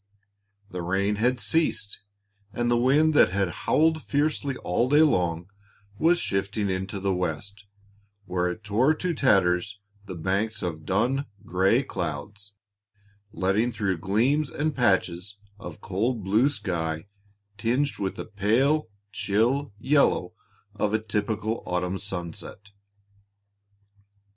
The rain had ceased, and the wind that had howled fiercely all day long was shifting into the west, where it tore to tatters the banks of dun gray clouds, letting through gleams and patches of cold blue sky tinged with the pale, chill yellow of a typical autumn sunset.